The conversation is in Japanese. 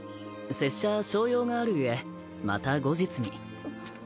拙者小用がある故また後日に。